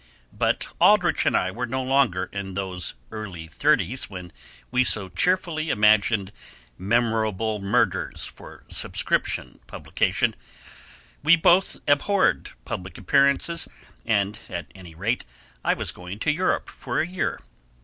But Aldrich and I were now no longer in those earlier thirties when we so cheerfully imagined 'Memorable Murders' for subscription publication; we both abhorred public appearances, and, at any rate, I was going to Europe for a year.